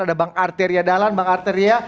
ada bang arteria dahlan bang arteria